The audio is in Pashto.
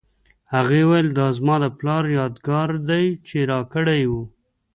هغې وویل دا زما د پلار یادګار دی چې راکړی یې و